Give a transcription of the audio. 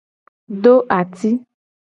Do aci.